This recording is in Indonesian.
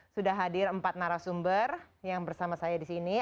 sudah hadir empat narasumber yang bersama saya di sini